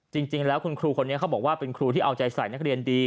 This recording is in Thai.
จริงแล้วคุณครูคนนี้เขาบอกว่าเป็นครูที่เอาใจใส่นักเรียนดี